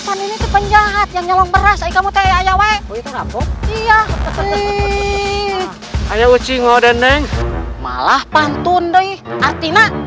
apaan ini penjahat yang nyolong beras kamu tewek iya iya uci ngode neng malah pantun